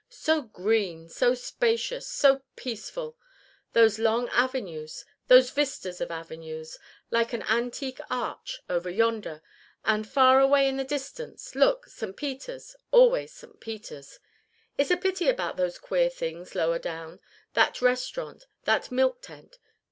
"So green, so spacious, so peaceful: those long avenues, those vistas of avenues, like an antique arch, over yonder; and, far away in the distance, look, St. Peter's, always St. Peter's. It's a pity about those queer things lower down: that restaurant, that milk tent.